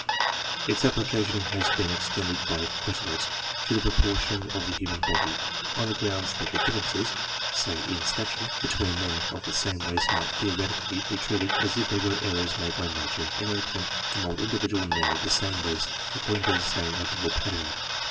Its application had been extended by Quetelet to the proportions of the human body, on the grounds that the differences, say in stature, between men of the same race might theoretically be treated as if they were Errors made by Nature in her attempt to mould individual men of the same race according to the same ideal pattern.